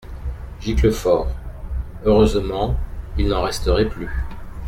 Giclefort. — Heureusement ; il n’en resterait plus !